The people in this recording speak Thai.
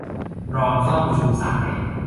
รอนเข้าประชุมสาย